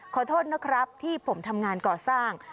ขอโทษนะครับที่ผมทำงานก่อสร้าง